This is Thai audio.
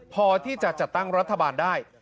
พอที่จะจัดตั้งรัฐบาลได้